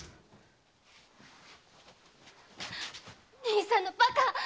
兄さんのバカ！